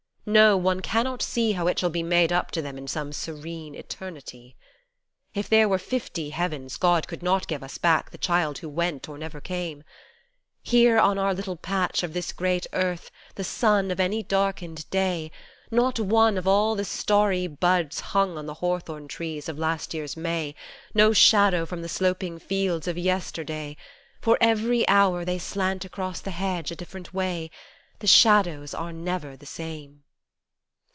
No, one cannot see How it shall be made up to them in some serene eternity. If there were fifty heavens God could not give us back the child who went or never came; Here, on our little patch of this great earth, the sun of any darkened day, Not one of all the starry buds hung on the hawthorn trees of last year's May, No shadow from the sloping fields of yesterday ; For every hour they slant across the hedge a different way, The shadows are never the same.